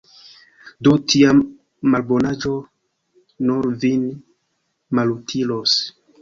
Do tia malbonaĵo nur vin malutilos.